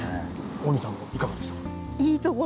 近江さんもいかがでしたか？